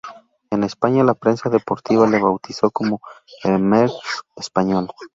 En España, la prensa deportiva le bautizó como ""el Merckx español"".